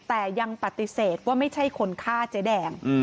แต่ยังปฏิเสธว่าไม่ใช่คนฆ่าเจ๊แดง